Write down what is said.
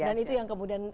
dan itu yang kemudian